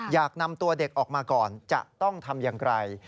อยากนำตัวเด็กออกมาก่อนจะต้องทำอย่างไร